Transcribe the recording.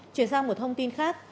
chuyển sang một thông tin khác